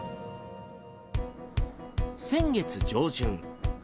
先月上旬。